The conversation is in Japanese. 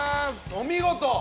お見事！